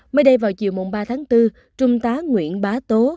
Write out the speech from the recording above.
mới đây vào chiều ba tháng bốn trung tá nguyễn bá tố